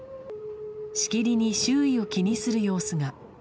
しきりに周囲を気にする様子が。